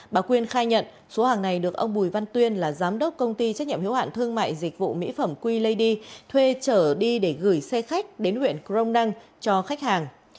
bà quyên khai nhận số hàng này được ông bùi văn tuyên là giám đốc công ty trách nhiệm hiếu hạn thương mại dịch vụ mỹ phẩm qleydy thuê trở đi để gửi xe khách đến huyện crong năng cho khách hàng